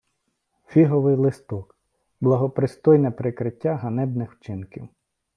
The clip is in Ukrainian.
Фіговий листок — благопристойне прикриття ганебних вчинків